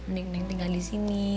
neng neng tinggal di sini